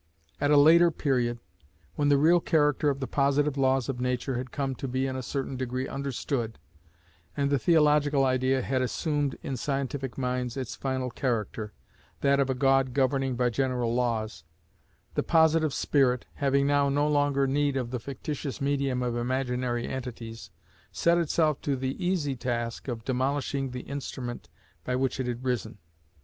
At a later period, when the real character of the positive laws of nature had come to be in a certain degree understood, and the theological idea had assumed, in scientific minds, its final character, that of a God governing by general laws, the positive spirit, having now no longer need of the fictitious medium of imaginary entities, set itself to the easy task of demolishing the instrument by which it had risen.